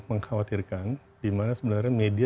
mengkhawatirkan dimana sebenarnya media